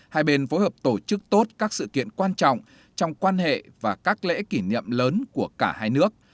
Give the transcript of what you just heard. hai bên phối hợp tổ chức tốt các sự kiện quan trọng trong quan hệ và các lễ kỷ niệm lớn của cả hai nước